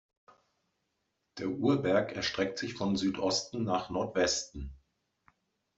Der Urberg erstreckt sich von Südosten nach Nordwesten.